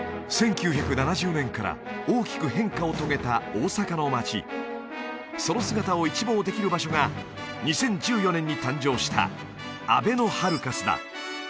１９７０年から大きく変化を遂げた大阪の街その姿を一望できる場所が２０１４年に誕生したあべのハルカスだ